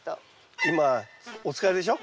今お疲れでしょ？